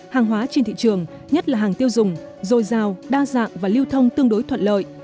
hàng hóa trên thị trường nhất là hàng tiêu dùng dồi dào đa dạng và lưu thông tương đối thuận lợi